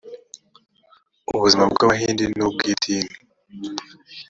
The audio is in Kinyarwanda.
ubuzima bw abahindi n ubw idini